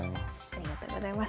ありがとうございます。